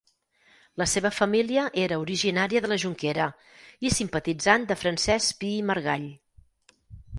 La seva família era originària de la Jonquera i simpatitzant de Francesc Pi i Margall.